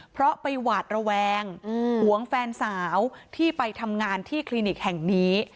เพราะไปหวาดระแวงหวงแฟนสาวที่ไปทำงานที่คลินิกแห่งนี้